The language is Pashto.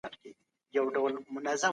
په څو ځلي مي ستا د مخ غبار مات کړئ دئ